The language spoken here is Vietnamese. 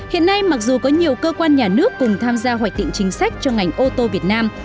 hiện nay mặc dù có nhiều cơ quan nhà nước cùng tham gia hoạch định chính sách cho ngành ô tô việt nam